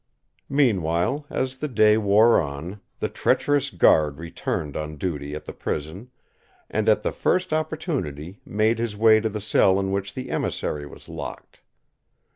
Meanwhile, as the day wore on, the treacherous guard returned on duty at the prison, and at the first opportunity made his way to the cell in which the emissary was locked.